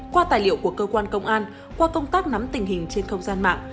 qua tài liệu của cơ quan công an qua công tác nắm tình hình trên không gian mạng